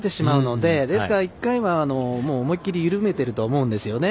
ですから、１回は思い切り緩めてると思うんですよね。